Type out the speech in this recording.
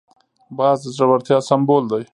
باز د زړورتیا سمبول دی